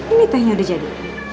ini tehnya udah jadi